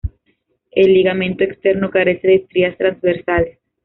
El ligamento externo carece de estrías transversales.